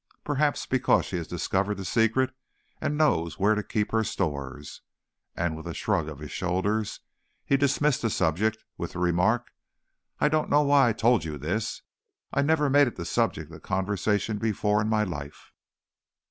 Perhaps because she has discovered the secret, and knows where to keep her stores.' And with a shrug of his shoulders he dismissed the subject, with the remark: 'I don't know why I told you of this. I never made it the subject of conversation before in my life.'